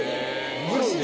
マジで？